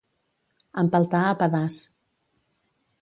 Empeltar a pedaç.